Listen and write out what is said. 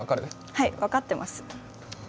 はい分かってます。